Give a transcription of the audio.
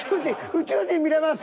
宇宙人見れます。